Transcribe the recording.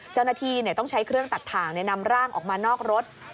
เจ้าหน้าที่ต้องใช้เครื่องตัดถ่างนำร่างออกมานอกรถ